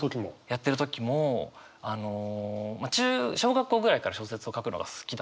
やってる時もあの小学校ぐらいから小説を書くのが好きだったんですね。